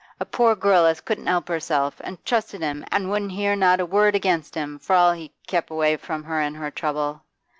A poor girl as couldn't help herself, as trusted him an' wouldn't hear not a word against him, for all he kep' away from her in her trouble.